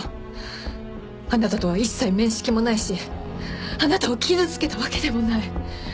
あなたとは一切面識もないしあなたを傷つけたわけでもない。